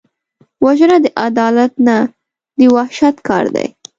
وژنه د عدالت نه، د وحشت کار دی